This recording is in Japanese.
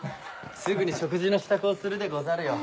すぐに食事の支度をするでござるよ。